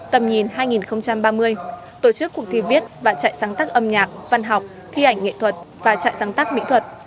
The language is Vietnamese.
tầm nhìn hai nghìn ba mươi tổ chức cuộc thi viết và trại sáng tác âm nhạc văn học thi ảnh nghệ thuật và trại sáng tác mỹ thuật